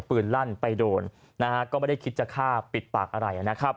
ลั่นไปโดนนะฮะก็ไม่ได้คิดจะฆ่าปิดปากอะไรนะครับ